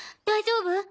大丈夫！？